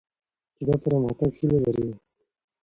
چي د پرمختګ هیله لرئ.